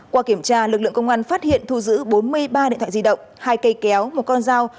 qua kiểm tra lực lượng công an phát hiện thu giữ bốn mươi ba điện thoại di động hai cây kéo một con dao